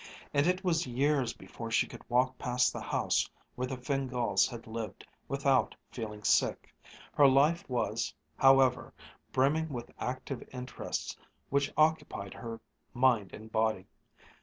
And it was years before she could walk past the house where the Fingáls had lived, without feeling sick. Her life was, however, brimming with active interests which occupied her, mind and body.